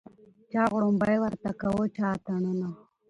چا غړومبی ورته کاوه چا اتڼونه